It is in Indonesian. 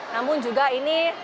namun juga ini